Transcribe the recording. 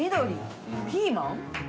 弌ピーマン？